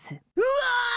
うわ！